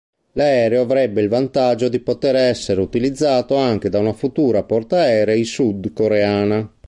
L'aereo avrebbe il vantaggio di poter essere utilizzato anche da una futura portaerei sud-coreana.